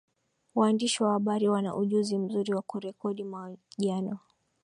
waandishi wa habari wana ujuzi mzuri wa kurekodi mahojiano